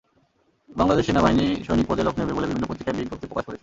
বাংলাদেশ সেনাবাহিনী সৈনিক পদে লোক নেবে বলে বিভিন্ন পত্রিকায় বিজ্ঞপ্তি প্রকাশ করেছে।